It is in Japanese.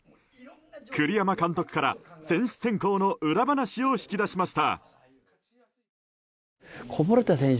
栗山監督から選手選考の裏話を引き出しました。